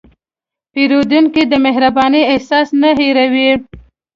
پیرودونکی د مهربانۍ احساس نه هېروي.